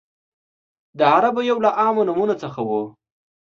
د عربو یو له عامو نومونو څخه و.